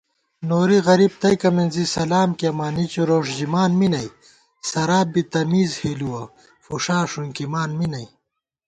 نوری غریب تئیکہ مِنزی سلام کېئیمان نِچّو روݭ ژِمان می نئ * سراپ بی تمیز ہِلُوَہ فُݭا ݭُنکِمان می نئ